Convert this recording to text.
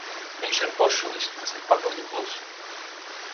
Viņš ir foršulis, tas ir papildu pluss.